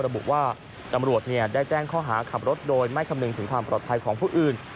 ระบุว่าตำรวจได้แจ้งข้อหาขับรถโดยไม่คำนึงถึงความปลอดภัยของผู้อื่น